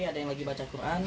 ada yang lagi baca quran